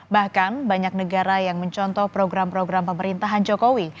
bahkan banyak negara yang mencontoh program program pemerintahan jokowi